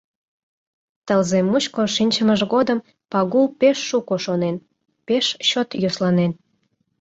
Тылзе мучко шинчымыж годым Пагул пеш шуко шонен, пеш чот йӧсланен.